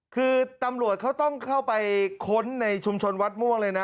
คือตำรวจเขาต้องเข้าไปค้นในชุมชนวัดม่วงเลยนะ